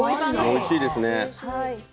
おいしいですね。